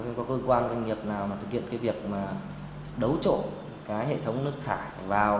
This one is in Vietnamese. xem có cơ quan doanh nghiệp nào thực hiện cái việc đấu trộn hệ thống nước thải vào